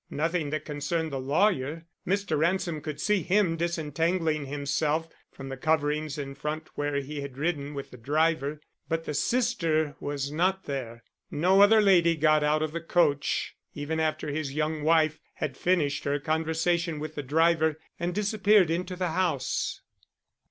Nothing that concerned the lawyer. Mr. Ransom could see him disentangling himself from the coverings in front where he had ridden with the driver, but the sister was not there. No other lady got out of the coach even after his young wife had finished her conversation with the driver and disappeared into the house.